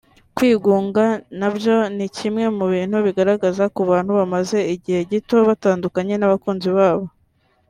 Kwigunga na byo ni kimwe mu bintu bigaragara ku bantu bamaze igihe gito batandukanye n’abakunzi babo